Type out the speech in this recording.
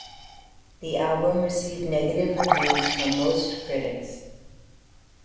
The album received negative reviews from most critics.